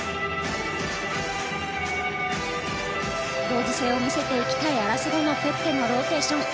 同時性を見せていきたいアラセゴンドのフェッテのローテーション。